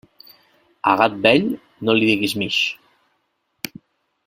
A gat vell, no li digues mix.